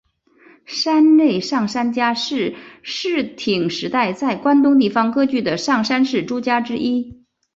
山内上杉家是室町时代在关东地方割据的上杉氏诸家之一。